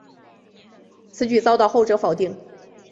此举遭到后者否定。